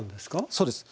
そうです。